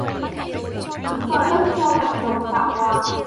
Thấm vào đất theo mạch ngầm tạo hoá